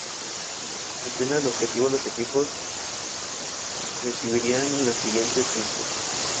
La casa natal de Theodor Herzl se alzaba al lado de esta sinagoga.